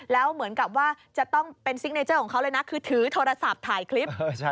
แล้วเหมือนกับว่าจะต้องเป็นซิกเนเจอร์ของเขาเลยนะคือถือโทรศัพท์ถ่ายคลิป